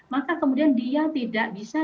maka kemudian dia tidak bisa